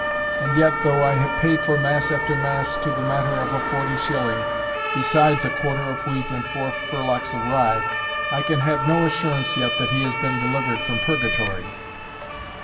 And yet, though I have paid for mass after mass to the matter of a forty shilling, besides a quarter of wheat and four firlocks of rye, I can have no assurance yet that he has been delivered from purgatory."